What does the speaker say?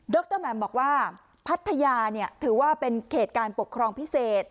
รแหม่มบอกว่าพัทยาถือว่าเป็นเขตการปกครองพิเศษ